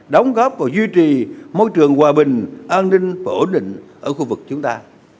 đóng góp vào duy trì môi trường hòa bình an ninh và ổn định ở khu vực chúng ta